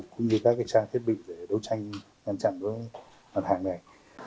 cũng như các trang thiết bị để đấu tranh ngăn chặn với mặt hàng này